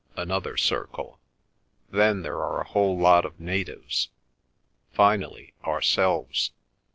another circle; then there are a whole lot of natives; finally ourselves."